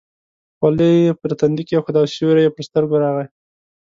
خولۍ یې پر تندي کېښوده او سیوری یې پر سترګو راغی.